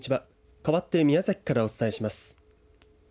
かわって宮崎からお伝えします。